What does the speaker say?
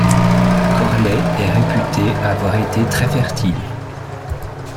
Corlay est réputé avoir été très fertile.